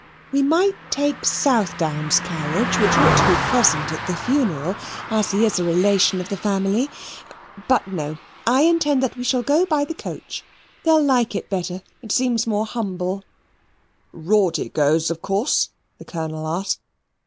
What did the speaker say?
"We might take Southdown's carriage, which ought to be present at the funeral, as he is a relation of the family: but, no I intend that we shall go by the coach. They'll like it better. It seems more humble " "Rawdy goes, of course?" the Colonel asked.